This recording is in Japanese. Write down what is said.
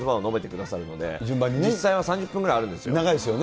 実際は３０分ぐらいあるんで長いですよね。